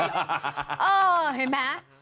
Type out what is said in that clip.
เออเห็นไหม